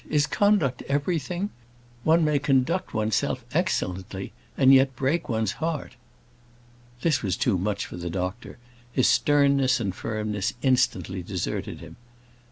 Is conduct everything? One may conduct oneself excellently, and yet break one's heart." This was too much for the doctor; his sternness and firmness instantly deserted him.